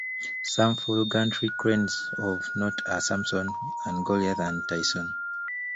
Some full gantry cranes of note are Samson and Goliath and Taisun.